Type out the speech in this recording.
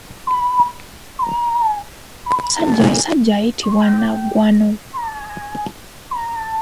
Omusajja ayitibwa Nnaggwano.